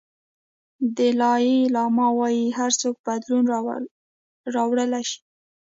دالای لاما وایي هر څوک بدلون راوړلی شي.